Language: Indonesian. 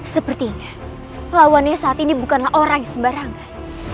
sepertinya lawannya saat ini bukanlah orang yang sembarangan